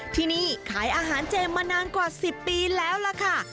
ที่นี่ขายอาหารเจมสมานานกว่า๑๐ปีแล้วล่ะค่ะ